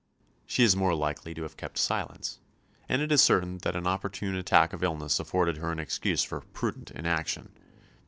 She is more likely to have kept silence; and it is certain that an opportune attack of illness afforded her an excuse for prudent inaction.